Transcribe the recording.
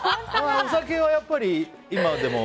お酒はやっぱり今でも？